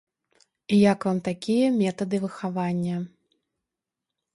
Як вам такія метады выхавання?